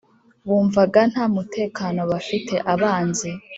Bumvaga nta mutekano bafite Abanzi